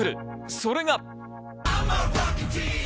それが。